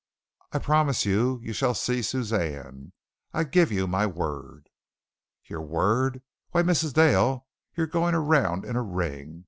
I promise you you shall see Suzanne. I give you my word." "Your word. Why, Mrs. Dale, you're going around in a ring!